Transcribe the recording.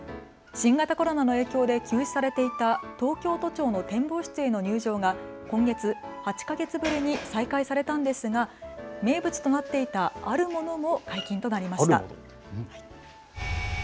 新型コロナの影響で休止されていた東京都庁の展望室への入場が今月、８か月ぶりに再開されたんですが名物となっていたあるものも解禁となりました。